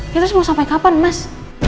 ya terus mau sampai kapan mas